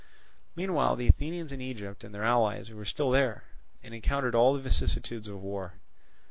Meanwhile the Athenians in Egypt and their allies were still there, and encountered all the vicissitudes of war.